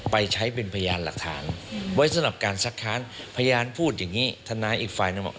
ไปใช้เป็นพยานหลักฐานไว้สำหรับการซักค้านพยานพูดอย่างนี้ทนายอีกฝ่ายหนึ่งบอก